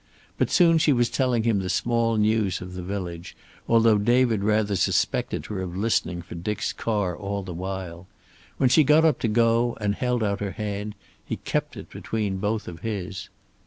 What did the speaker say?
But soon she was telling him the small news of the village, although David rather suspected her of listening for Dick's car all the while. When she got up to go and held out her hand he kept it, between both of his.